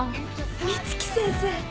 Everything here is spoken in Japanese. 美月先生。